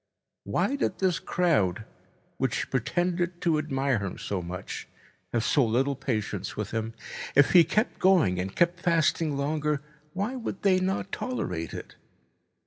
Why did this crowd, which pretended to admire him so much, have so little patience with him? If he kept going and kept fasting longer, why would they not tolerate it?